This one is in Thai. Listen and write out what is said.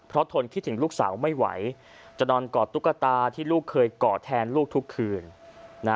เพราะทนคิดถึงลูกสาวไม่ไหวจะนอนกอดตุ๊กตาที่ลูกเคยกอดแทนลูกทุกคืนนะ